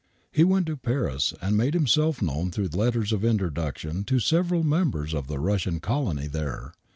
He went to Paris, and made himself known through letters of introduction to several members of the Russian colony there.